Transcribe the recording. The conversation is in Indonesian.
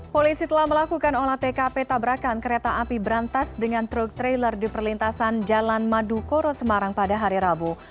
polisi telah melakukan olah tkp tabrakan kereta api berantas dengan truk trailer di perlintasan jalan madu koro semarang pada hari rabu